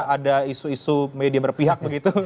ada isu isu media berpihak begitu